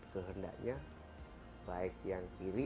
kehendaknya baik yang kiri